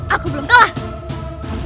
aku belum tahu